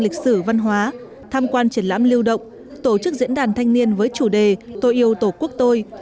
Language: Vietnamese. lịch sử văn hóa tham quan triển lãm lưu động tổ chức diễn đàn thanh niên với chủ đề tôi yêu tổ quốc tôi